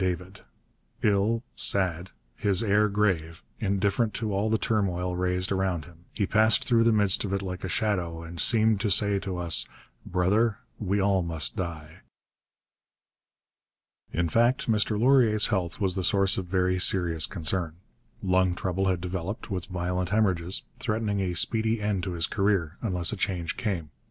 David, 'ill, sad, his air grave, indifferent to all the turmoil raised around him; he passed through the midst of it like a shadow and seemed to say to us, "Brother, we all must die."' [Illustration: SIR ANTOINE AIMÉ DORION From a photograph] In fact, Mr Laurier's health was the source of very serious concern. Lung trouble had developed, with violent hemorrhages, threatening a speedy end to his career unless a change came.